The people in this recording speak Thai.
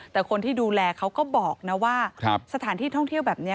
แต่คนที่ดูแลเขาก็บอกนะว่าสถานที่ท่องเที่ยวแบบนี้